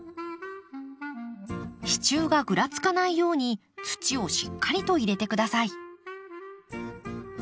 支柱がぐらつかないように土をしっかりと入れて下さい。